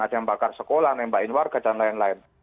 ada yang bakar sekolah nembakin warga dan lain lain